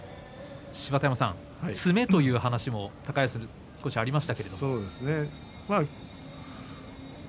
芝田山さん、詰めというお話も先ほどありましたけれども。